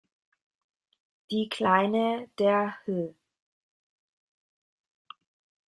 Die kleine, der hl.